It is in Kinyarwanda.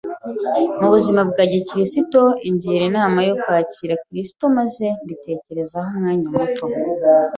mu buzima bwa gikristo, ingira inama yo kwakira Kristo maze mbitekerezaho umwanya muto.